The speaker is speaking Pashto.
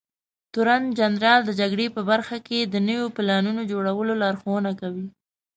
تورنجنرال د جګړې په برخه کې د نويو پلانونو جوړولو لارښونه کوي.